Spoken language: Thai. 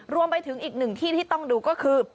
รวมไปถึงอีกหนึ่งที่ที่ต้องดูก็คือ